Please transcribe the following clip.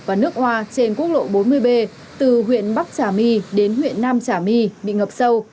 và nước hoa trên quốc lộ bốn mươi b từ huyện bắc trà my đến huyện nam trà my bị ngập sâu